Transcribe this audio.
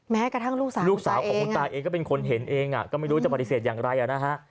แม้กระทั่งลูกสาวลูกสาวของคุณตาเองก็เป็นคนเห็นเองก็ไม่รู้จะปฏิเสธอย่างไรนะฮะ